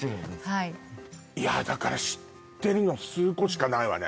はいいやだから知ってるの数個しかないわね